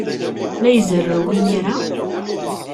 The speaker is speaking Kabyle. La izerrew imir-a?